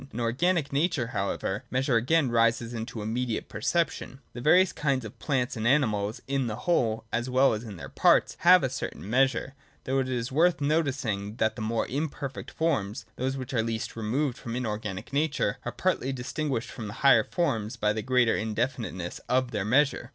In organic nature, how ever, measure again rises fuU into immediate perception. 202 THE DOCTRINE OF BEING. [107, 108. The various kinds of plants and animals, in the whole as well as in their parts, have a certain measure : though it is worth noticing that the more imperfect forms, those which are least removed from inorganic nature, are partly dis tinguished from the higher forms by the greater indefinite ness of their measure.